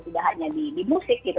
tidak hanya di musik gitu